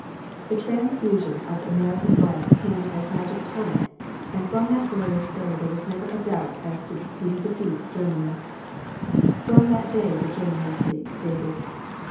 The transfusion of American blood came as magic tonic, and from that glorious day there was never a doubt as to the speedy defeat of Germany. From that day the German retreat dated.